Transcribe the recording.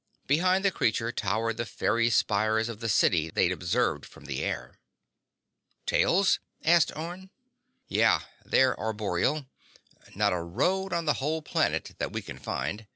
Behind the creature towered the faery spires of the city they'd observed from the air. "Tails?" asked Orne. "Yeah. They're arboreal. Not a road on the whole planet that we can find.